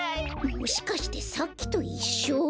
もしかしてさっきといっしょ？